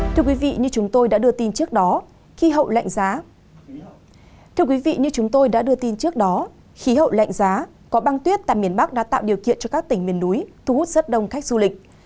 thưa quý vị như chúng tôi đã đưa tin trước đó khí hậu lạnh giá có băng tuyết tại miền bắc đã tạo điều kiện cho các tỉnh miền núi thu hút rất đông khách du lịch